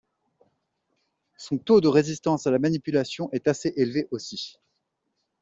son taux de résistance à la manipulation est assez élevé aussi.